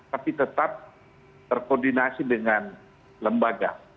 tapi tetap terkoordinasi dengan lembaga